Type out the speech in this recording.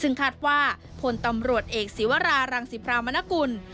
ซึ่งคาดว่าพลตำรวจเอกศีวรารังสิพรามนกุล